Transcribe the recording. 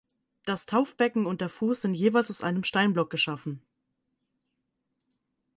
Das Taufbecken und der Fuß sind jeweils aus einem Steinblock geschaffen.